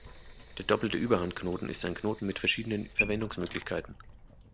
Der Doppelte Überhandknoten ist ein Knoten mit verschiedenen Verwendungsmöglichkeiten.